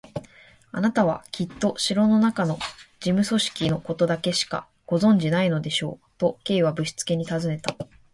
「あなたはきっと城のなかの事務組織のことだけしかご存じでないのでしょう？」と、Ｋ はぶしつけにたずねた。